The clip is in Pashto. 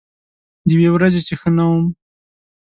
د یوې ورځې چې ښه نه وم